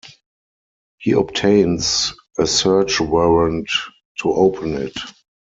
He obtains a search warrant to open it.